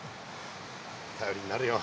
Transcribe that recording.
頼りになるよ。